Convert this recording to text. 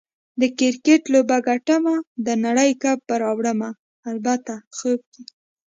د کرکټ لوبه ګټمه، د نړۍ کپ به راوړمه - البته خوب کې